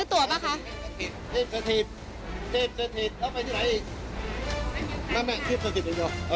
เทพสถิตเดี๋ยว